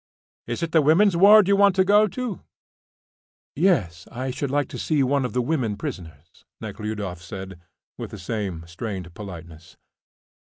"Is it the women's ward you want to go to?" "Yes, I should like to see one of the women prisoners," Nekhludoff said, with the same strained politeness.